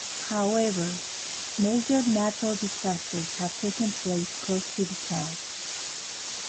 However, major natural disasters have taken place close to the town.